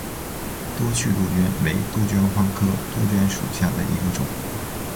多趣杜鹃为杜鹃花科杜鹃属下的一个种。